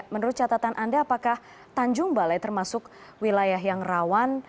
menurut catatan anda apakah tanjung balai termasuk wilayah yang rawan